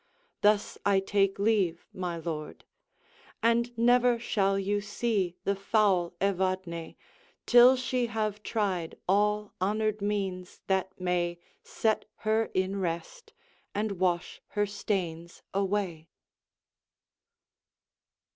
Thus I take leave, my lord; And never shall you see the foul Evadne, Till she have tried all honored means, that may Set her in rest and wash her stains away.